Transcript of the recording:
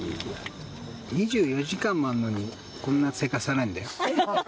２４時間もあるのに、こんなせかされるんだよ。